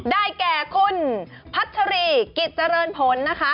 ได้แก่คุณพัชรีกิจเจริญผลนะคะ